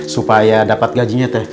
supaya dapat gajinya t